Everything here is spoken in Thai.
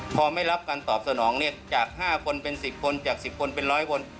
พอไม่รับการตอบสนองเนี่ยจาก๕คนเป็น๑๐คนจาก๑๐คนเป็น๑๐๐คน